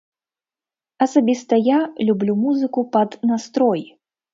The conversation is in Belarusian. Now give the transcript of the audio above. Асабіста я люблю музыку пад настрой.